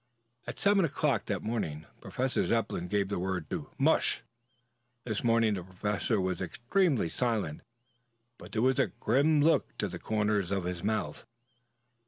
At seven o'clock that morning Professor Zepplin gave the word to "mush." This morning the Professor was extremely silent, but there was a grim look to the corners of his mouth.